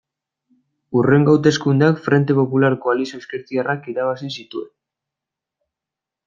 Hurrengo hauteskundeak Frente Popular koalizio ezkertiarrak irabazi zituen.